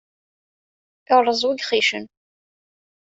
Iṛṛeẓ wi gxicen.